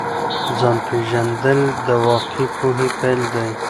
ځان پیژندل د واقعي پوهي پیل دی.